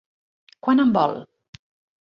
Quant en vol?